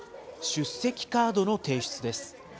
出席カードの提出です。